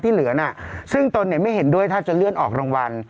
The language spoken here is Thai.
เหลือน่ะซึ่งตนเนี่ยไม่เห็นด้วยถ้าจะเลื่อนออกรางวัล